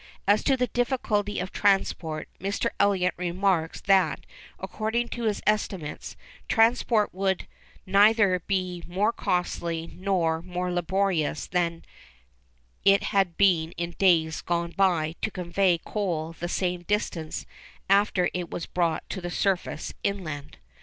As to the difficulty of transport, Mr. Elliot remarks that, according to his estimates, 'transport would neither be more costly nor more laborious than it has been in days gone by to convey coal the same distance after it was brought to the surface inland.